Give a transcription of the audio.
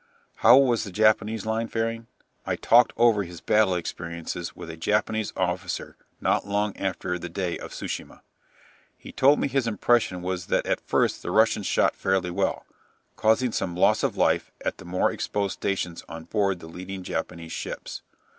How was the Japanese line faring? I talked over his battle experiences with a Japanese officer not long after the day of Tsu shima. He told me his impression was that at first the Russians shot fairly well, causing some loss of life at the more exposed stations on board the leading Japanese ships.